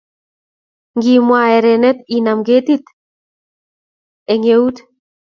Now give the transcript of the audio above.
Ngimwaa erenyet inam ketit eng eut